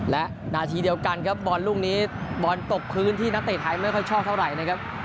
และนาทีเดียวกันครับบอลลูกนี้บอลตกพื้นที่นักเตะไทยไม่ค่อยชอบเท่าไหร่นะครับ